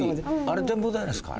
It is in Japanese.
あれ展望台なんですか？